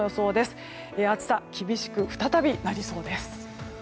再び暑さ、厳しくなりそうです。